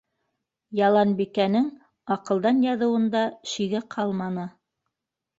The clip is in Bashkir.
Яланбикәнең аҡылдан яҙыуында шиге ҡалманы.